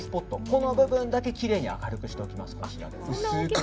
この部分だけきれいに明るくしておきます。